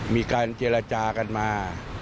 มีการเจรจากันมา